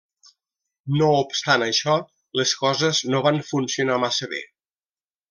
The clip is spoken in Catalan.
No obstant això, les coses no van funcionar massa bé.